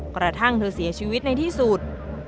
กระทั่งเธอเสียชีวิตในที่สุด